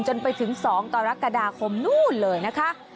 จนไปถึง๒ต่อรักษณ์กระดาษคมนู่นเลยนะคะ